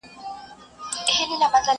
څوك به اوري فريادونه د زخميانو؛